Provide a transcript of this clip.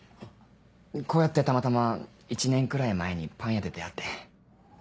こうやってたまたま１年くらい前にパン屋で出会って。